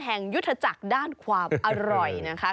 แห่งยุทธจักรด้านความอร่อยนะคะ